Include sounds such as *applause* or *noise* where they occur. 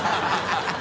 ハハハ *laughs*